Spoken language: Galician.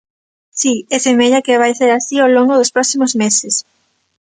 Si, e semella que vai ser así ao longo dos próximos meses.